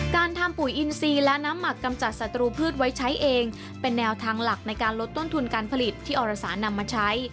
การทำปุ๋ยอินซีและน้ำหมักกำจัดศัตรูพืชไว้ใช้เองเป็นแนวทางหลักในการลดต้นทุนการผลิตที่อรสานำมาใช้